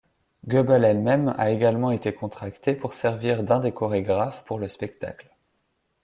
Goebel elle-même a également été contractée pour servir d'un des chorégraphes pour le spectacle.